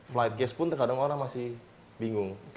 flightcase pun terkadang orang masih bingung